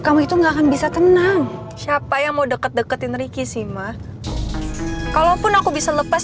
kamu itu nggak akan bisa tenang siapa yang mau deket deketin ricky sih mah kalaupun aku bisa lepas